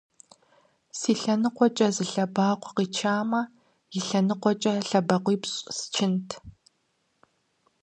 Си лъэныкъуэкӏэ зы лъэбакъуэ къичатэмэ, и лъэныкъуэкӏэ лъэбакъуипщӏ счынт.